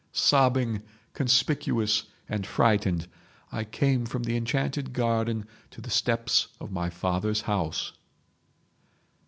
Sobbing, conspicuous and frightened, I came from the enchanted garden to the steps of my father's house.